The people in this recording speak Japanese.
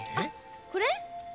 これ？